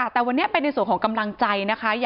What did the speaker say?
แต่วันนี้เป็นในส่วนของกำลังใจนะคะ